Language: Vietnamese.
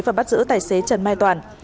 và bắt giữ tài xế trần mai toàn